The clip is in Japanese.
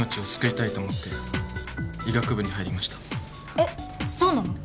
えっそうなの？